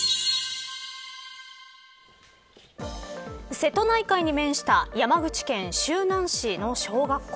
瀬戸内海に面した山口県周南市の小学校。